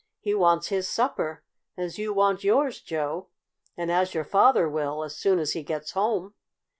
"He wants his supper, as you want yours, Joe, and as your father will, as soon as he gets home.